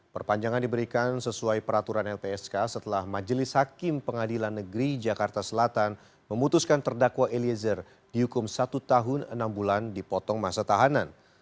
perpanjangan diberikan sesuai peraturan lpsk setelah majelis hakim pengadilan negeri jakarta selatan memutuskan terdakwa eliezer dihukum satu tahun enam bulan dipotong masa tahanan